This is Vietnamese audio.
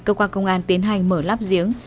cơ quan công an tiến hành mở lắp giếng